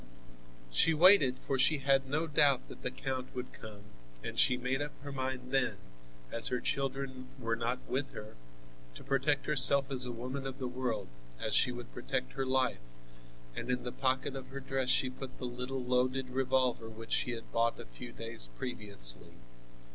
She waited, for she had no doubt that the count would come, and she made up her mind then, as her children were not with her, to protect herself as a woman of the world as she would protect her life, and in the pocket of her dress she put the little loaded revolver which she had bought a few days previously.